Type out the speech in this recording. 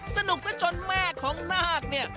สนุกซะจนแม่ของนาคเนี่ย